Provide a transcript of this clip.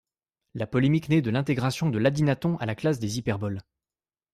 La polémique naît de l'intégration de l'adynaton à la classe des hyperboles.